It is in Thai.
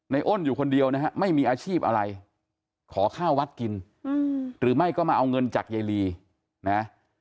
อ้นอยู่คนเดียวนะฮะไม่มีอาชีพอะไรขอข้าววัดกินหรือไม่ก็มาเอาเงินจากยายลีนะ